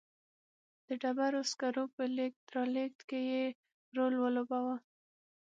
د ډبرو سکرو په لېږد رالېږد کې یې رول ولوباوه.